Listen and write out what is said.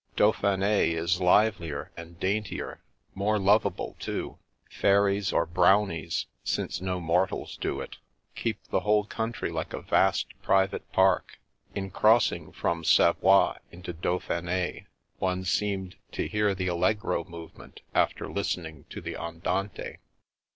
Dauphine is livelier and daintier; more lovable, too. Fairies or brownies (since no mortals do it) keep the whole country like a vast private park. In crossing from Savoie into Dauphine one seemed to hear the allegro movement after listening to the andante.